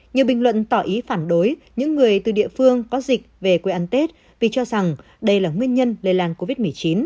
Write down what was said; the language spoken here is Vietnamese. nhiều bình luận tỏ ý phản đối những người từ địa phương có dịch về quê ăn tết vì cho rằng đây là nguyên nhân lây lan covid một mươi chín